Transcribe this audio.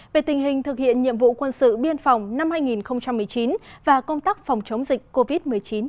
về tình hình thực hiện nhiệm vụ quân sự biên phòng năm hai nghìn một mươi chín và công tác phòng chống dịch covid một mươi chín